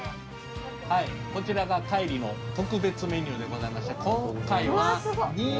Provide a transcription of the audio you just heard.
こちらが海里の特別メニューでございまして今回は和食ですね。